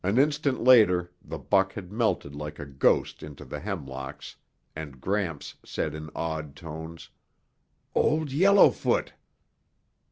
An instant later the buck had melted like a ghost into the hemlocks and Gramps said in awed tones, "Old Yellowfoot!"